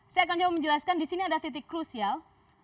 saya akan coba menjelaskan disini ada titik krusial